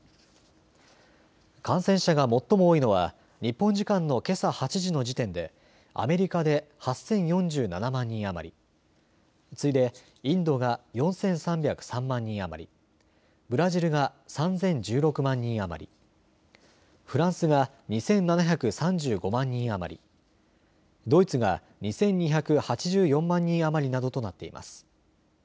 感染者が最も多いのは日本時間のけさ８時の時点でアメリカで８０４７万人余り、次いでインドが４３０３万人余り、ブラジルが３０１６万人余り、フランスが２７３５万人余り、ドイツが２２８４万人余りなどとなっています。